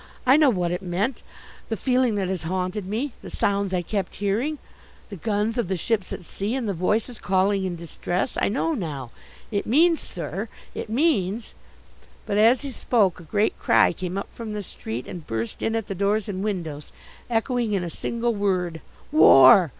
I know what it meant, the feeling that has haunted me the sounds I kept hearing the guns of the ships at sea and the voices calling in distress! I know now. It means, sir, it means " But as he spoke a great cry came up from the street and burst in at the doors and windows, echoing in a single word: WAR!